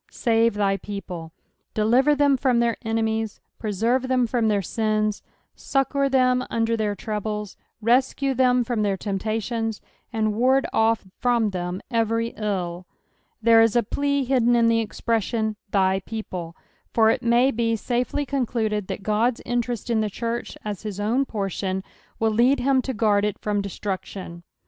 " Save thy people." Deliver tbem from their enemies, preserve them from their sins, succour them under their troubles, rescue tbem from their temptations, and ward off from tbem every ill. There is a plea hidden in tbo expression, " thy people:" for it ma^ be safel;^ concluded that Ood's interest in the church, as his own portion, will lead him to guard it from destruction.